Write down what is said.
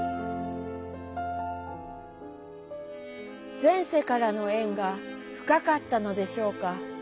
「前世からの縁が深かったのでしょうか。